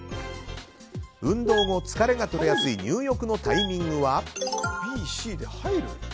運動後、疲れが取れやすい入浴のタイミングは？